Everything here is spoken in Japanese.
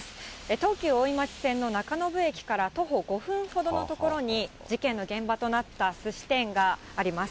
東急大井町線の中延駅から徒歩５分ほどの所に、事件の現場となったすし店があります。